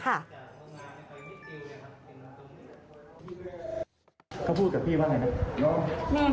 เขาพูดกับพี่ว่าไงนะ